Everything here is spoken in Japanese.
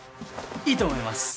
いいと思います。